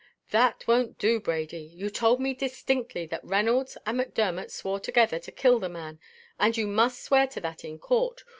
"That won't do, Brady; you told me distinctly that Reynolds and Macdermot swore together to kill the man; and you must swear to that in court.